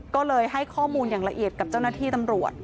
ก็เลยให้ข้อมูลอย่างละเอียดกับเจ้าหน้าที่ตำรวจ